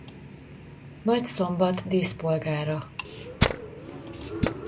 Nagyszombat díszpolgára.